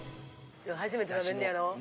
初めて食べんねやろ。